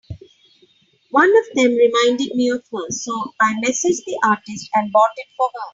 One of them reminded me of her, so I messaged the artist and bought it for her.